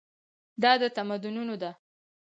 دا د تمدنونو ده.